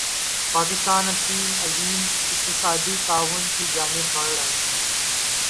پاکستان اور چین عظیم اقتصادی تعاون کی جانب بڑھ رہے ہیں